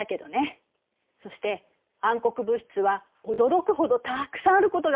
そして暗黒物質は驚くほどたくさんあることが分かったの。